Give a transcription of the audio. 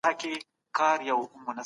سیاستوال ولې په ټولنه کې پرېکړې کوي؟